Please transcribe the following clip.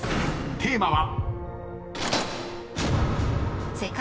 テーマは］